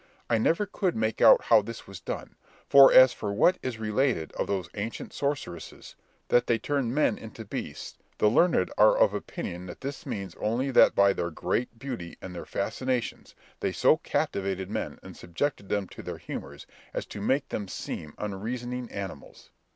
I never could make out how this was done; for as for what is related of those ancient sorceresses, that they turned men into beasts, the learned are of opinion that this means only that by their great beauty and their fascinations, they so captivated men and subjected them to their humours, as to make them seem unreasoning animals.